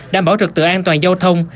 đảm bảo trực tựa an toàn giao thông